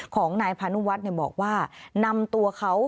ของนายพานุวัฒน์บอกว่า